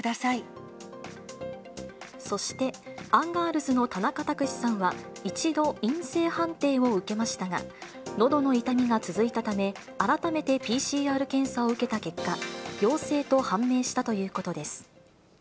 そして、アンガールズの田中卓志さんは、一度、陰性判定を受けましたが、のどの痛みが続いたため、改めてＰＣＲ検査を受けた結果、陽性と判明したということです。